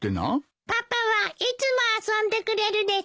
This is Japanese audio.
パパはいつも遊んでくれるですよ。